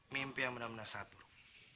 mimpi yang benar benar sangat buruk